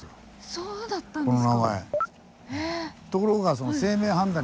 そうだったんですか。